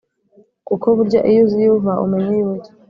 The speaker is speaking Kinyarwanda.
kuko burya iyo uzi iyo uva umenya iyo ujya